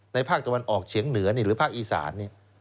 ภาคตะวันออกเฉียงเหนือหรือภาคอีสาน